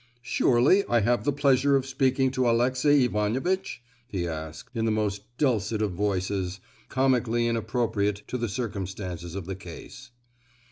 "Surely I have the pleasure of speaking to Aleksey Ivanovitch?" he asked, in the most dulcet of voices, comically inappropriate to the circumstances of the case.